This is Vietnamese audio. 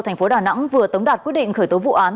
thành phố đà nẵng vừa tống đạt quyết định khởi tố vụ án